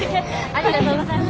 ありがとうございます。